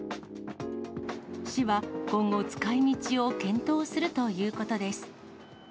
市は、今後使いみちを検討するということです。